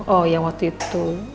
oh yang waktu itu